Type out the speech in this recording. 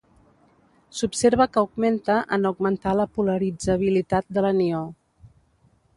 S'observa que augmenta en augmentar la polaritzabilitat de l'anió.